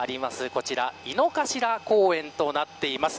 こちら井の頭公園となっています。